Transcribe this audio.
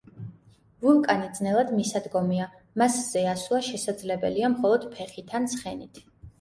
ვულკანი ძნელად მისადგომია, მასზე ასვლა შესაძლებელია მხოლოდ ფეხით ან ცხენით.